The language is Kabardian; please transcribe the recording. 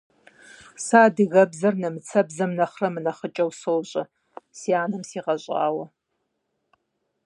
Сэ адыгэбзэр нэмыцэбзэм нэхърэ мынэхъыкӀэу сощӀэ – си анэм сигъэщӀауэ.